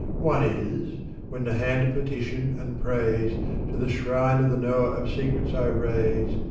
One is, when the hand of petition and praise. To the shrine of the Knower of Secrets I raise.